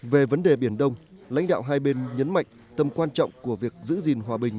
về vấn đề biển đông lãnh đạo hai bên nhấn mạnh tầm quan trọng của việc giữ gìn hòa bình